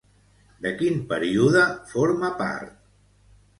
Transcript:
De quin període forma part?